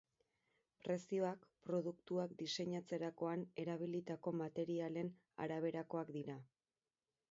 Prezioak, produktuak diseinatzerakoan erabilitako materialen araberakoak dira.